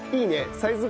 サイズが。